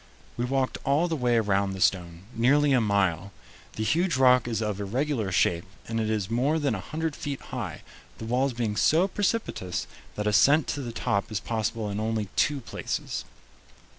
We walked all the way around the stone, nearly a mile. The huge rock is of irregular shape, and it is more than a hundred feet high, the walls being so precipitous that ascent to the top is possible in only two places.